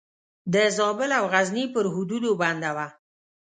د زابل او غزني پر حدودو بنده وه.